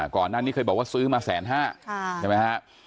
ก่อนนั้นนี่เคยบอกว่าซื้อมาแสนห้าใช่ไหมฮะ